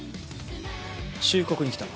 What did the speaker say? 忠告に来た。